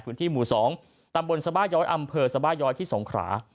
พื้นที่หมู่๒ตำบลสบาย้อยอำเภอสบาย้อยที่สงขรา